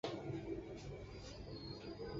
该列表包含已确认并制造商正式推出的装置。